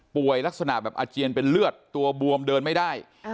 ลักษณะแบบอาเจียนเป็นเลือดตัวบวมเดินไม่ได้